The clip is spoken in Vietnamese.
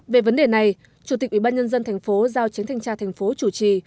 về vấn đề này chủ tịch ủy ban nhân dân tp giao chánh thanh tra thành phố chủ trì